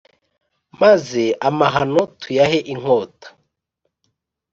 maze amahano tuyahe inkota